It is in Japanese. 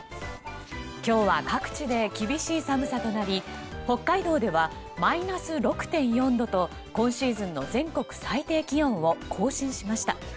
今日は各地で厳しい寒さとなり北海道では、マイナス６．４度と今シーズンの全国最低気温を更新しました。